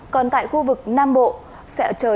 còn tại khu vực nam bộ